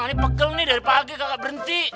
ini pegel nih dari pagi kakak berhenti